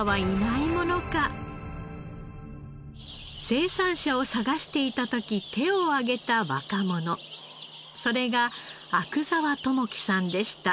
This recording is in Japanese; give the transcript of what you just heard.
生産者を探していた時手を上げた若者それが阿久澤知樹さんでした。